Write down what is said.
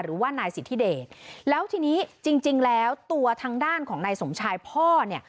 หรือว่านายสิทธิเดชแล้วทีนี้จริงจริงแล้วตัวทางด้านของนายสมชายพ่อเนี่ย